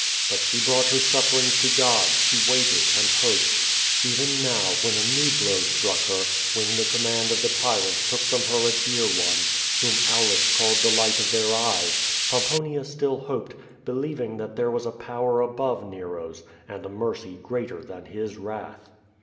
But she brought her suffer ings to God; she waited and hoped. P>en now, when a new blow struck her, when the command of the tjTant took from her a dear one, whom Aulus called the light of their eyes, Pomponia still hoped, believing that there was a power above Nero's, and a mercy greater than his wrath.